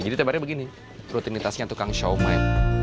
jadi temannya begini rutinitasnya tukang shumai